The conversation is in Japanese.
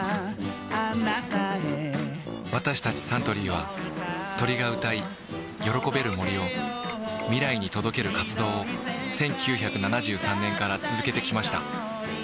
私たちサントリーは鳥が歌い喜べる森を未来に届ける活動を１９７３年から続けてきました